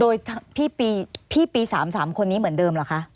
โดยพี่ปี๓๓คนนี้เหมือนเดิมเหรอคะ